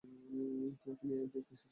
তোমাকে নিতে এসেছি।